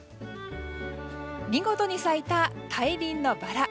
見事に咲いた大輪のバラ。